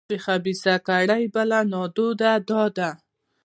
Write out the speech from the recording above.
د خبیثه کړۍ بله نادوده دا ده.